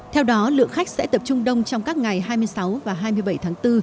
theo đó lượng khách sẽ tập trung đông trong các ngày hai mươi sáu và hai mươi bảy tháng bốn